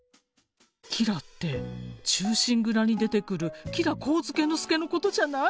吉良って「忠臣蔵」に出てくる吉良上野介のことじゃない？